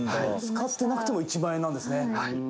「使ってなくても１万円なんですね」